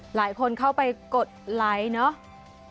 หลายคนเข้าไปกดไลค์เนาะ